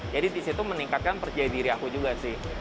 jadi disitu meningkatkan percaya diri aku juga sih